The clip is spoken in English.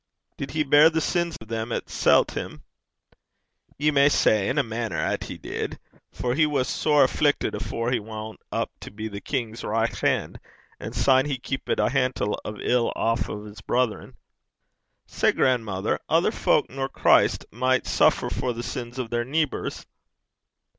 'Did he beir the sins o' them 'at sellt him?' 'Ye may say, in a mainner, 'at he did; for he was sair afflickit afore he wan up to be the King's richt han'; an' syne he keepit a hantle o' ill aff o' 's brithren.' 'Sae, gran'mither, ither fowk nor Christ micht suffer for the sins o' their neebors?'